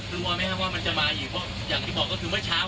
รู้ไหมครับว่ามันจะมาอยู่